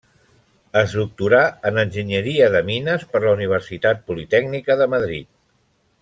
Es doctorà en enginyeria de mines per la Universitat Politècnica de Madrid.